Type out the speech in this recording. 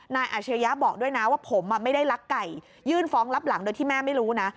อาชญะบอกด้วยนะว่าผมไม่ได้ลักไก่ยื่นฟ้องรับหลังโดยที่แม่ไม่รู้นะ